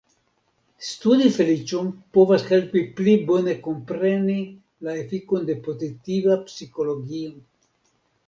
Studi feliĉon povas helpi pli bone kompreni la efikon de pozitiva psikologio.